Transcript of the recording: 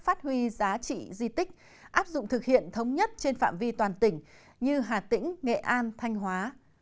phát huy giá trị di tích áp dụng thực hiện thống nhất trên phạm vi toàn tỉnh như hà tĩnh nghệ an thanh hóa